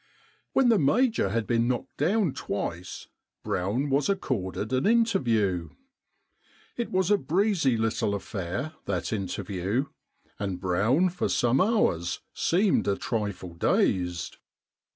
When the Major had been knocked down twice, Brown was accorded an interview. It was a breezy little affair, that interview, and Brown for some hours seemed a trifle dazed.